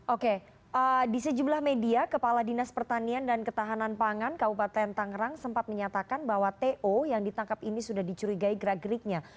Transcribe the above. oke di sejumlah media kepala dinas pertanian dan ketahanan pangan kabupaten tangerang sempat menyatakan bahwa to yang ditangkap ini sudah dicurigai gerak geriknya